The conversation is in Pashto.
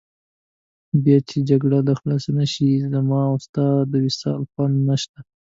بیا چې جګړه خلاصه نه شي، زما او ستا د وصال خوند نشته.